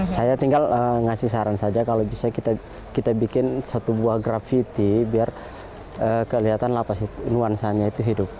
saya tinggal ngasih saran saja kalau bisa kita bikin satu buah gravity biar kelihatan lapas nuansanya itu hidup